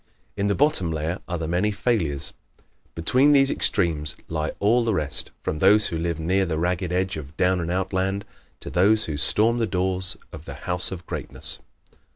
In the bottom layer are the many failures. Between these extremes lie all the rest from those who live near the ragged edge of Down and Out Land to those who storm the doors of the House of Greatness.